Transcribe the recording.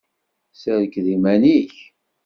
Serked iman-ik.